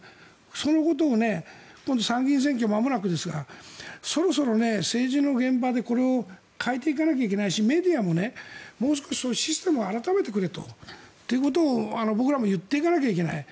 そのことを参議院選挙はまもなくですがそろそろ政治の現場でこれを変えていかないといけないしメディアも、もう少しシステムを改めてくれと。ということを僕らも言っていかなきゃいけない。